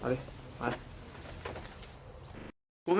เออเอาเลยไป